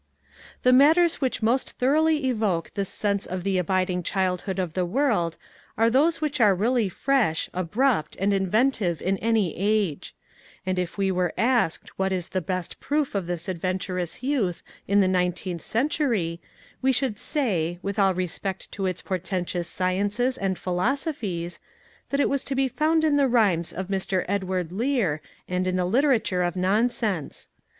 The matters which most thoroughly evoke this sense of the abiding childhood of the world are those which are really fresh, ab rupt and inventive in any age ; and if we were asked what was the best proof of this adventurous youth in the nineteenth century we should say, with all respect to its por tentous sciences and philosophies, that it was to be found in the rhymes of Mr. Edward Lear and in the literature of non sense.